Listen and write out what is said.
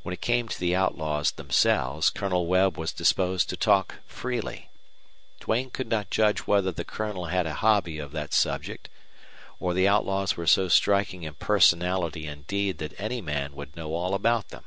When it came to the outlaws themselves Colonel Webb was disposed to talk freely. Duane could not judge whether the Colonel had a hobby of that subject or the outlaws were so striking in personality and deed that any man would know all about them.